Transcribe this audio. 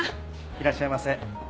いらっしゃいませ。